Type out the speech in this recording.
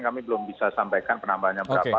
kami belum bisa sampaikan penambahannya berapa